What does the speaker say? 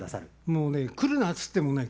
もうね来るなっつってもね。